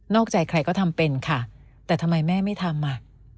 อกใจใครก็ทำเป็นค่ะแต่ทำไมแม่ไม่ทำอ่ะ